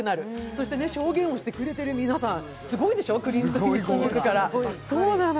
そして証言をしてくれている皆さん、すごいでしょう、クリント・イーストウッドから。